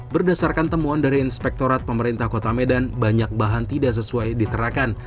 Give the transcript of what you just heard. berdasarkan temuan dari inspektorat pemerintah kota medan banyak bahan tidak sesuai diterakan